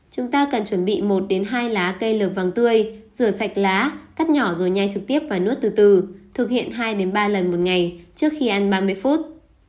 chúng ta cần chuẩn bị một hai lá cây lược vàng tươi rửa sạch lá cắt nhỏ rồi nhai trực tiếp và nuốt từ từ thực hiện hai ba lần một ngày trước khi ăn ba mươi phút